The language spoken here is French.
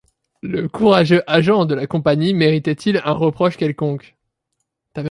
Le courageux agent de la Compagnie méritait-il un reproche quelconque?